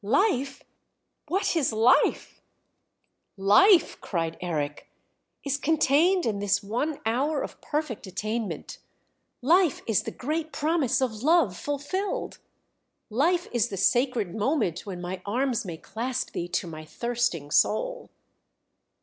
"Life, what is Life?" "Life," cried Eric, "is contained in this one hour of perfect attainment. Life is the great promise of love fulfilled. Life is the sacred moment when my arms may clasp thee to my thirsting soul!